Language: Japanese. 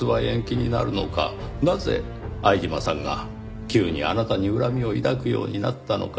なぜ相島さんが急にあなたに恨みを抱くようになったのか。